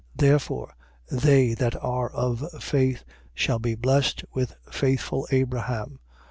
3:9. Therefore, they that are of faith shall be blessed with faithful Abraham.